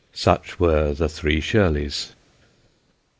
Such were the three Shirleys.